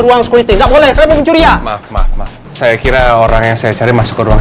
ruang security enggak boleh mencuriga maaf maaf saya kira orang yang saya cari masuk ke ruang